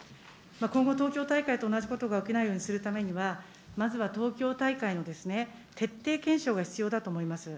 今後、東京大会と同じことが起きないようにするためには、まずは東京大会の徹底検証が必要だと思います。